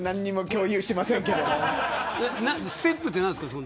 ステップって何ですか。